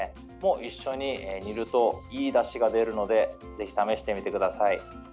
一緒に煮るといいだしがでるのでぜひ試してみてください。